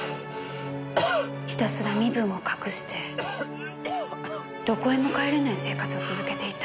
ひたすら身分を隠してどこへも帰れない生活を続けていた。